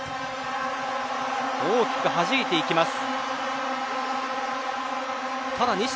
大きく弾いていきます。